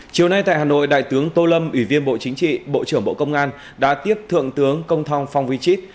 chiều nay tại hà nội đại tướng tô lâm ủy viên bộ chính trị bộ trưởng bộ công an đã tiếp thượng tướng công thong phong vi chít